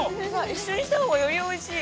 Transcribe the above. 一緒にしたほうがよりおいしい。